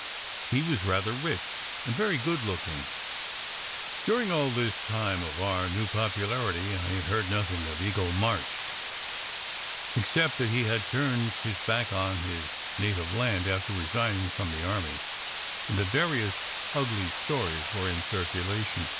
He was rather rich and very good looking. SECRET HISTORY 183 During all this time of our new popularity I had heard nothing of Eagle March, except that he had turned his back on his native land after resigning from the army, and that various "ugly stories" were in circulation.